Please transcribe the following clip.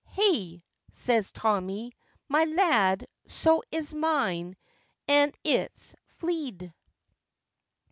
'Hey!' says Tommy, 'my lad, soa is min, an it's fleead?